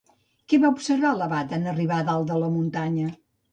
Què va observar l'abat en arribar a dalt de la muntanya?